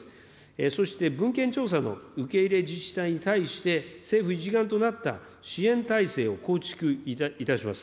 そして文献調査の受け入れ自治体に対して、政府一丸となった支援体制を構築いたします。